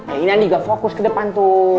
eh ini juga fokus ke depan tuh